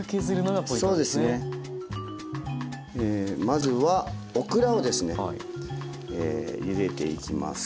まずはオクラをですねゆでていきます。